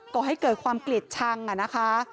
ก่อให้เกิดความเกลียดชังนะคะ